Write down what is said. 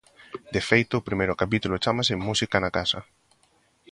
De feito, o primeiro capítulo chámase Música na casa.